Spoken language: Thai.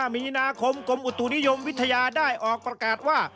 มีนาคมกรมอุตุนิยมวิทยาได้ออกประกาศว่า